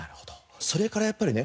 それからやっぱりね